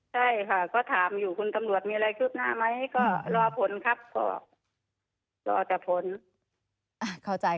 ใช่ค่ะก็ถามอยู่คุณตำรวจมีอะไรคืบหน้าไหมก็รอผลครับก็รอแต่ผล